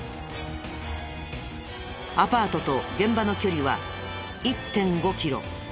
アパートと現場の距離は１．５キロ。